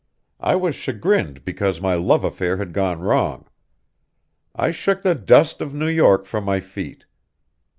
I was chagrined because my love affair had gone wrong. I shook the dust of New York from my feet.